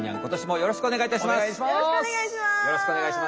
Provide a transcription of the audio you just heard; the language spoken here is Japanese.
よろしくお願いします。